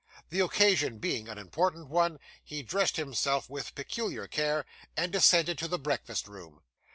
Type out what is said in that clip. The occasion being an important one, he dressed himself with peculiar care, and descended to the breakfast room.